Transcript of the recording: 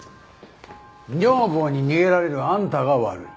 女房に逃げられるあんたが悪い。